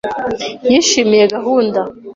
Yishimiye gahunda.